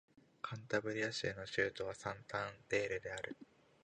カンタブリア州の州都はサンタンデールである